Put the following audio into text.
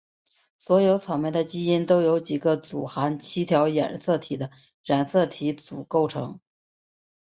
所有草莓的基因都由几组含七条染色体的染色体组构成。